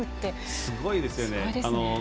すごいですよね。